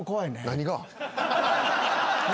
何が？